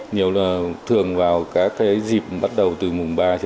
nhiều lần thường vào các cái dịp bắt đầu từ mùng ba